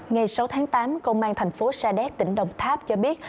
ngày sáu tháng tám công an tp sa đéc tỉnh đồng tháp cho biết